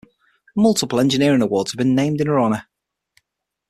Multiple engineering awards have been named in her honor.